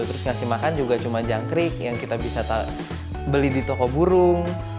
terus ngasih makan juga cuma jangkrik yang kita bisa beli di toko burung